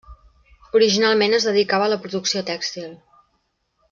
Originalment es dedicava a la producció tèxtil.